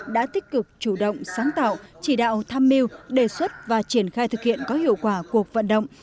đã tích cực chủ động sáng tạo chỉ đạo tham mưu đề xuất và triển khai thực hiện có hiệu quả cuộc vận động